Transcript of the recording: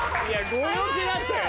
ご陽気だったよ。